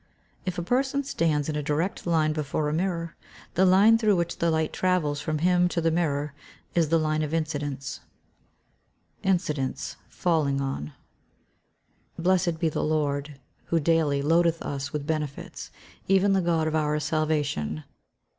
_ If a person stands in a direct line before a mirror, the line through which the light travels from him to the mirror is the line of incidence. Incidence falling on. [Verse: "Blessed be the Lord, who daily loadeth us with benefits, even the God of our salvation."